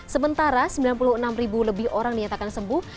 sementara sembilan puluh enam ribu lebih orang dinyatakan sembuh